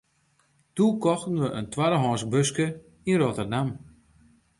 Doe kochten we in twaddehânsk buske yn Rotterdam.